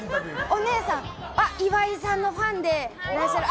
お姉さん、岩井さんのファンでいらっしゃる。